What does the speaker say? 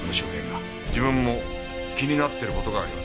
自分も気になってる事があります。